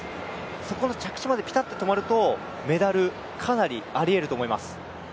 そこの着地までピタッと止めるとメダル、かなりありえると思います。